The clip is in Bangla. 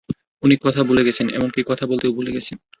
উনি কথা ভুলে গেছেন, এমনকি কথা বলতেও ভুলে গেছেন।